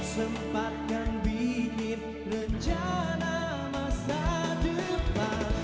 sempatkan bikin rencana masa depan